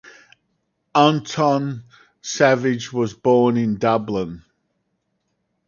Anton Savage was born in Dublin.